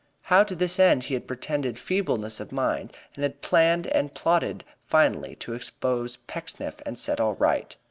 How to this end he had pretended feebleness of mind and had planned and plotted finally to expose Pecksniff and set all right.